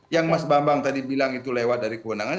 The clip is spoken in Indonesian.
yang mas bambang tadi bilang itu lewat dari kewenangan